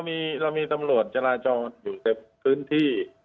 เรามีตำรวจจราจรอยู่ในพื้นที่